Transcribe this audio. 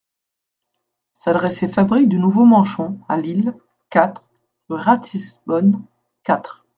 S'adresser Fabrique du nouveau manchon à Lille, quatre, rue Ratisbonne, quatre.